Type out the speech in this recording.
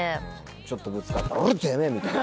ちょっとぶつかって「てめぇ！」みたいな。